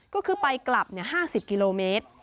ก็คือไปกลับ๕๐กิโลเมตร